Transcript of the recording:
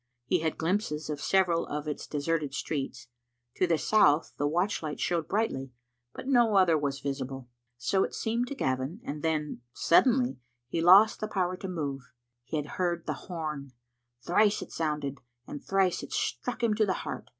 He had glimpses of several of its deserted streets. To the south the watch light showed brightly, but no other was visible. So it seemed to Gavin, and then — suddenly — he lost the power to Digitized by VjOOQ IC ^c £disptfan. 41 move. He had heard the horn. Thrice it sounded, and thrice it struck him to the heart.